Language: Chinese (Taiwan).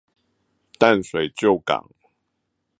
淡水舊港